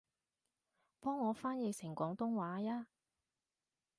幫我翻譯成廣東話吖